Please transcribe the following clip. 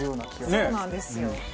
そうなんですよ。